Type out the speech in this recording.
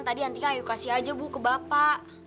tadi antika ayo kasih aja bu ke bapak